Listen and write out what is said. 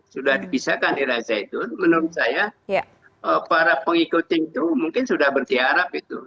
sudah dipisahkan dari al zaitun menurut saya para pengikut itu mungkin sudah berziarab itu